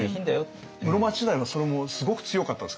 室町時代はそれもすごく強かったです。